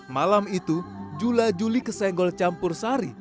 malam itu jula juli kesenggol campur sari